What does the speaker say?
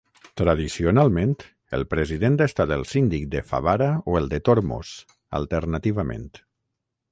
Tradicionalment el president ha estat el síndic de Favara o el de Tormos, alternativament.